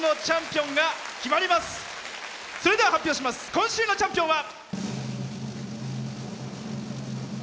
今週のチャンピオンは。